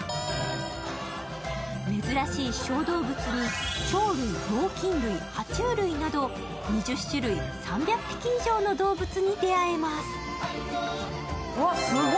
珍しい小動物に鳥類、猛きん類、は虫類など２０種類３００匹以上の動物に出会えます。